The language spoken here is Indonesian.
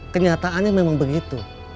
kenyataannya memang begitu